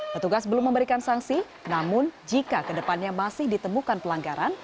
petugas belum memberikan sanksi namun jika kedepannya masih ditemukan pelanggaran